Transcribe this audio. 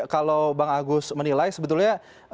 kalau bang agus menilai sebetulnya